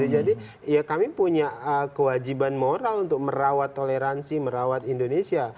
jadi ya kami punya kewajiban moral untuk merawat toleransi merawat indonesia